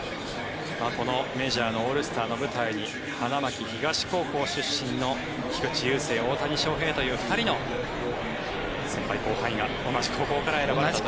このメジャーのオールスターの舞台に花巻東高校出身の菊池雄星大谷翔平という２人の先輩、後輩が同じ高校から選ばれたと。